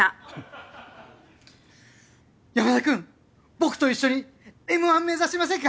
僕と一緒にＭ−１目指しませんか？